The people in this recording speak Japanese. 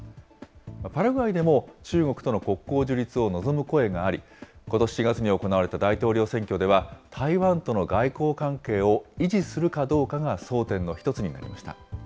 パラグアイでも中国との国交樹立を望む声があり、ことし４月に行われた大統領選挙では、台湾との外交関係を維持するかどうかが争点の１つになりました。